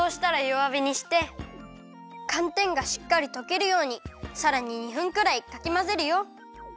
わびにしてかんてんがしっかりとけるようにさらに２分くらいかきまぜるよ。